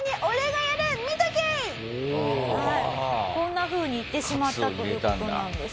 こんなふうに言ってしまったという事なんです。